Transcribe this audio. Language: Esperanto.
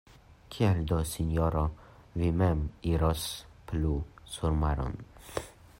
Kial do, sinjoro, vi mem iros plu surmaron?